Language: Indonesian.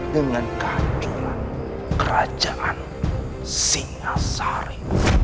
dengan kehancuran kerajaan singasari